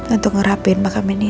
untuk ngerapin makam ini